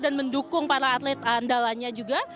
dan mendukung para atlet andalanya juga